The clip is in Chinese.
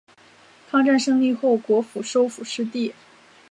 抗战胜利后国府收复失地。